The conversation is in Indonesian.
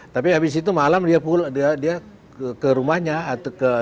tapi habis itu malam dia pulang dia ke rumahnya atau ke